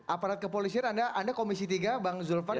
aparat kepolisian anda komisi tiga bang zulfan